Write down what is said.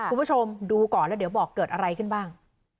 คุณผู้ชมดูก่อนแล้วเดี๋ยวบอกเกิดอะไรขึ้นบ้าง